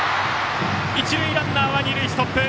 一塁ランナーは二塁ストップ。